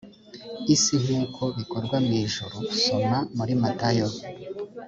isi nk uko bikorwa mu ijuru soma muri matayo